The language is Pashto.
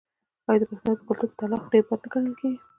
آیا د پښتنو په کلتور کې طلاق ډیر بد نه ګڼل کیږي؟